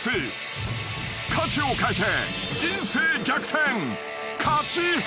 ［価値を変えて人生逆転！］